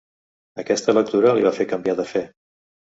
Aquesta lectura li va fer canviar de fe.